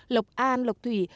lộc an lộc thủy